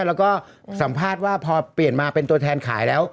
แล้วก็สัมภาษณ์ว่าพอเปลี่ยนมาเป็นตัวแทนขายแล้ว